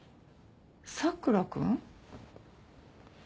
佐倉君？